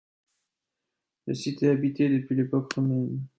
Le site est habité depuis l'époque romaine.